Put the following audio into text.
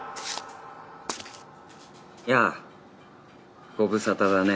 やあご無沙汰だね